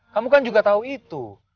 kamu kan juga tahu itu